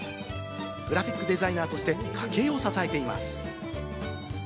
グラフィックデザイナーとして家計を支えています。